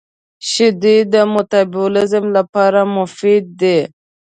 • شیدې د مټابولیزم لپاره مفید دي.